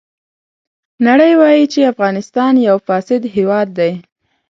نړۍ وایي چې افغانستان یو فاسد هېواد دی.